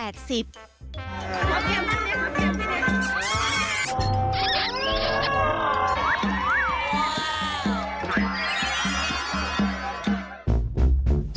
โอ้โฮ